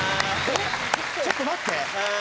ちょっと待って。